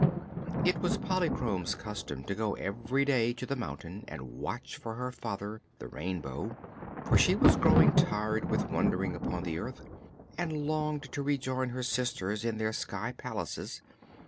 It was Polychrome's custom to go every day to the mountain and watch for her father, the Rainbow, for she was growing tired with wandering upon the earth and longed to rejoin her sisters in their sky palaces.